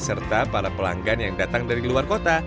serta para pelanggan yang datang dari luar kota